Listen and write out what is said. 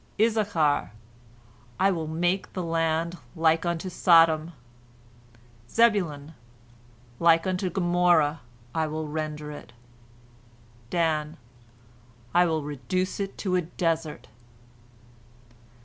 Issachar: "I will make the land like unto Sodom." Zebulon: "Like unto Gomorrah will I render it." Dan: "I will reduce it to a desert."